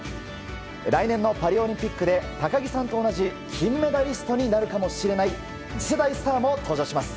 来年のパリオリンピックで高木さんと同じ金メダリストになるかもしれない次世代スターも登場します。